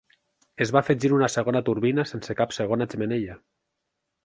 Es va afegir una segona turbina sense cap segona xemeneia.